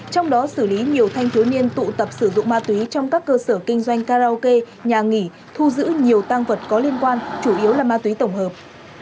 trong đó xử lý nhiều thanh thiếu niên tụ tập sử dụng ma túy trong các cơ sở kinh doanh karaoke nhà nghỉ thu giữ nhiều tăng vật có liên quan chủ yếu là ma túy tổng hợp